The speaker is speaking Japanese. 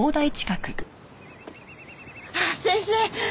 あっ先生！